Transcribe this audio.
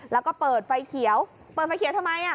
แล้วก็เปิดไฟเขียวเปิดไฟเขียวทำไม